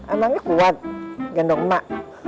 emangnya kuat gendong mak